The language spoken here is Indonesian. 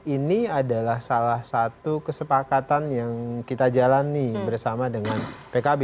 ini adalah salah satu kesepakatan yang kita jalani bersama dengan pkb